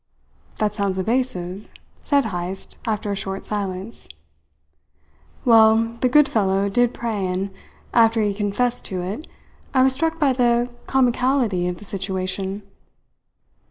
"That sounds evasive," said Heyst after a short silence. "Well, the good fellow did pray and after he had confessed to it I was struck by the comicality of the situation.